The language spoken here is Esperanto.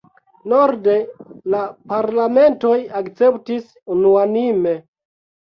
Norde la parlamentoj akceptis unuanime.